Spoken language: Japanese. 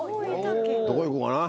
どこ行こうかな？